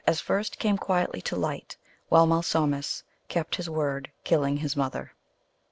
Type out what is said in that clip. as first came quietly to light, while Malsumsis kept his word, killing his mother.